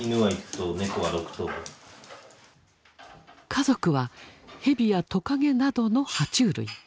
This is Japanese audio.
家族はヘビやトカゲなどのは虫類。